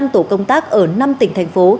một mươi năm tổ công tác ở năm tỉnh thành phố